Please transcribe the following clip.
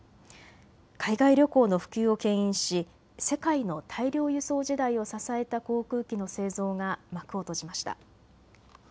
海外旅行の普及をけん引し世界の大量輸送時代を支えた航空機の製造が幕を閉じました。